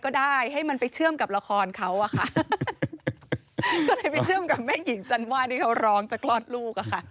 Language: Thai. ก็เลยไปเชื่อมกับแม่หญิงจันทร์ว่าที่เขาร้องจะกลอดลูกค่ะ